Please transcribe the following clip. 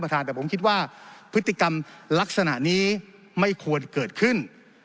ท่านแต่ผมคิดว่าพฤติกรรมลักษณะนี้ไม่ควรเกิดขึ้น